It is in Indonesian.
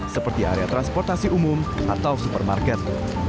seperti area transportasi umum atau supermarket